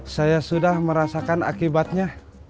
saya sudah merasakan akibatnya